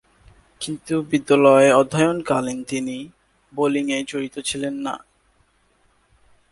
কিন্তু বিদ্যালয়ে অধ্যয়নকালীন তিনি বোলিংয়ে জড়িত ছিলেন না।